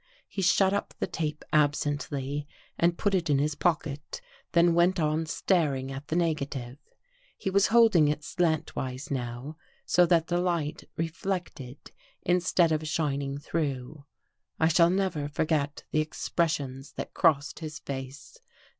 He shut up the tape absently and put it in his pocket, then went on staring at the negative. He was holding it slantwise now so that the light re flected, instead of shining through. I shall never forget the expressions that crossed his face.